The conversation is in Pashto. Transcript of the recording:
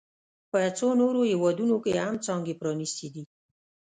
په څو نورو هېوادونو کې هم څانګې پرانیستي دي